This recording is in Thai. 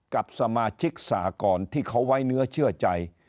กับสมาชิกสหกรที่เขาไว้เนื้อเชื่อใจ